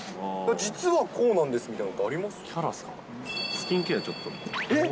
実はこうなんですみたいなこキャラですか？